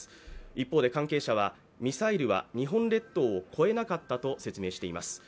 一方で関係者は、ミサイルは日本列島を越えなかったと説明しています。